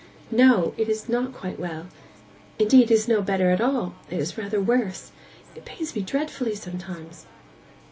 'No; it is not quite well. Indeed it is no better at all; it is rather worse. It pains me dreadfully sometimes.